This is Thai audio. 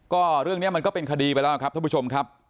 ก็เรื่องนี้มันก็เป็นคดีไปแล้วครับท่านผู้ชมครับ